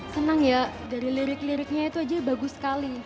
senang ya dari lirik liriknya itu aja bagus sekali